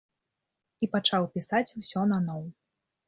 І пачаў пісаць усё наноў.